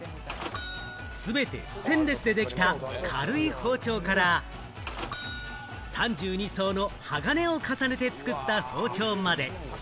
全てステンレスでできた軽い包丁から、３２層の鋼を重ねて作った包丁まで。